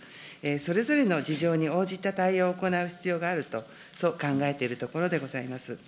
それぞれの事情に応じた対応を行う必要があると、そう考えているところでございます。